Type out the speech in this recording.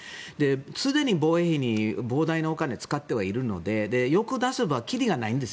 すでに防衛費に膨大なお金を使ってはいるので欲を出せば切りがないんです。